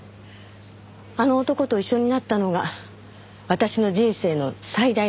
あの男と一緒になったのが私の人生の最大の失敗でした。